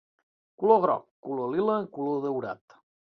Color groc, color lila, color daurat.